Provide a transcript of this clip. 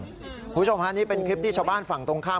คุณผู้ชมฮะนี่เป็นคลิปที่ชาวบ้านฝั่งตรงข้าม